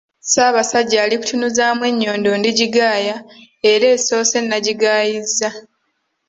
“Ssaabasajja alikutunuzaamu ennyondo ndigigaaya era esoose nagigaayizza.